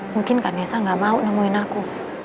mungkin kan nessa gak mau nemuin aku